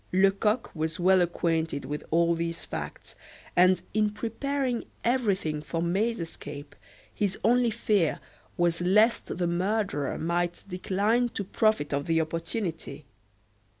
Lecoq was well acquainted with all these facts, and in preparing everything for May's escape, his only fear was lest the murderer might decline to profit of the opportunity.